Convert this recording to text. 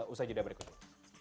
usai jeda berikutnya